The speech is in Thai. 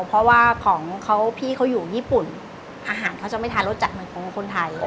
เพราะว่าของเขาพี่เขาอยู่ญี่ปุ่นอาหารเขาจะไม่ทานรสจัดเหมือนของคนไทย